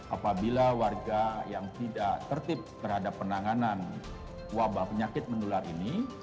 apabila warga yang tidak tertib terhadap penanganan wabah penyakit menular ini